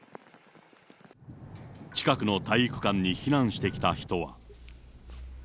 近くの体育館に避難してきた人は。